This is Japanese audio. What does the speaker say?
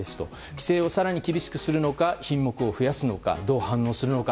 規制を更に厳しくするのか品目を増やすかどう反応するのか